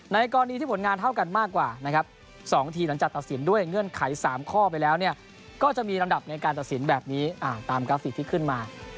กรณีที่ผลงานเท่ากันมากกว่านะครับ๒ทีหลังจากตัดสินด้วยเงื่อนไข๓ข้อไปแล้วเนี่ยก็จะมีลำดับในการตัดสินแบบนี้ตามกราฟิกที่ขึ้นมา